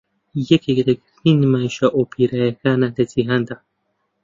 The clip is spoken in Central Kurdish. یەکێک لە گرنگترین نمایشە ئۆپێراییەکان لە جیهاندا